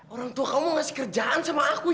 orang tua kamu ngasih kerjaan sama aku ya